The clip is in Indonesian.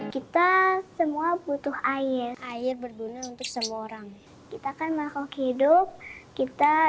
kita semua butuh air air berguna untuk semua orang kita akan melakukan hidup kita